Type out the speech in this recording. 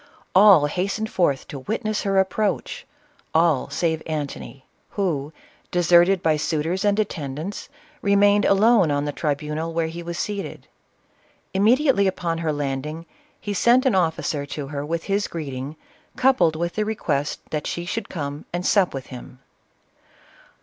All hastened forth to witness her approach, — all save Antony, who, deserted by suitors and attendants, re mained alone on the tribunal where he was seated. Immediately upon her landing, he sent an officer to her with his greeting, coupled with the request that she would come and sup with him.